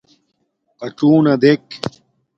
قڅُونݳ دݵک.